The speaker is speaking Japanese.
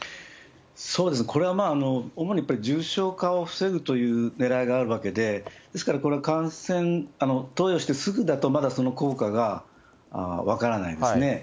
これはまあ、主に重症化を防ぐというねらいがあるわけで、ですから、これは感染、投与してすぐだとまだその効果が分からないんですね。